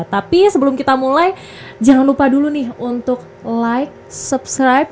tapi sebelum kita mulai jangan lupa dulu nih untuk like subscribe